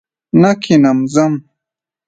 نه کښېنم ځم!